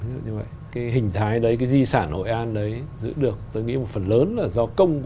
ví dụ như vậy cái hình thái đấy cái di sản hội an đấy giữ được tôi nghĩ một phần lớn là do công